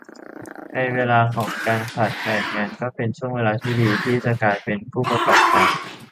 ในเวลาของการขาดแคลนงานก็เป็นช่วงเวลาที่ดีที่จะกลายเป็นผู้ประกอบการ